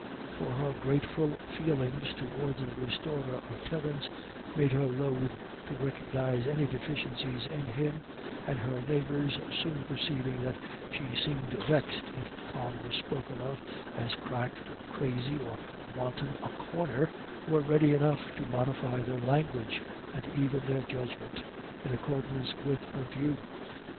For her grateful feelings towards the restorer of Terence made her loth to recognise any deficiencies in him, and her neighbours, soon perceiving that she seemed vexed if Con was spoken of as cracked or crazy or "wantin' a corner," were ready enough to modify their language, and even their judgment, in accordance with her view.